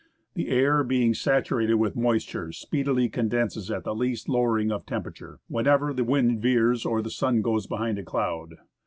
The air being saturated with moisture speedily condenses at the least lowering of temper ature, whenever the wind veers or the sun goes behind a cloud.